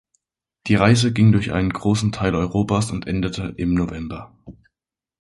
Die Reise ging durch einen großen Teil Europas und endete „im Nov.